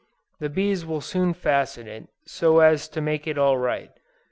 The bees will soon fasten it, so as to make all right.